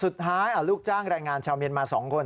สุดท้ายลูกจ้างแรงงานชาวเมียนมา๒คน